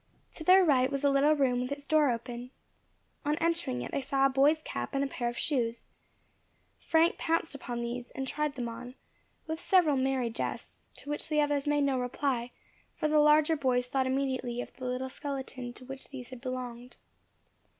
To their right was a little room, with its door open. On entering it, they saw a boy's cap and pair of shoes. Frank pounced upon these, and tried them on, with several merry jests, to which the others made no reply, for the larger boys thought immediately of the little skeleton to which these had belonged.